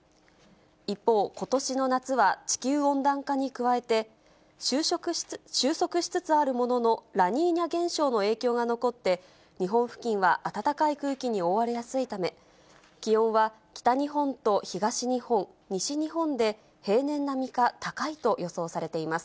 一方、ことしの夏は、地球温暖化に加えて、終息しつつあるものの、ラニーニャ現象の影響が残って、日本付近は暖かい空気に覆われやすいため、気温は北日本と東日本、西日本で平年並みか高いと予想されています。